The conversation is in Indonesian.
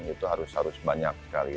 itu harus banyak sekali